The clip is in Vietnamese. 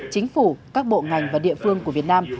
chính phủ các bộ ngành và địa phương của việt nam